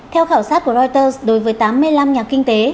theo khảo sát của reuters đối với tám mươi năm nhà kinh tế